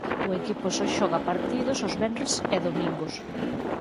O equipo só xoga partidos os venres e domingos.